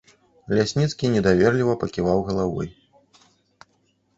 Лясніцкі недаверліва паківаў галавой.